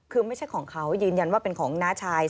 คือไม่ใช่ของเขายืนยันว่าเป็นของน้าชาย